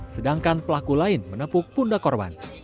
sedangkan pelaku lain menepuk pundak korban